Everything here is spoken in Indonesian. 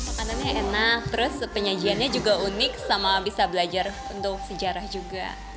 makanannya enak terus penyajiannya juga unik sama bisa belajar untuk sejarah juga